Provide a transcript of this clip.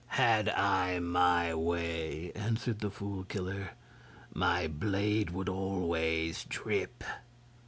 "Had I my way," answered the Fool Killer, "my blade would always drip.